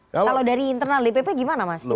kalau dari internal dpp gimana mas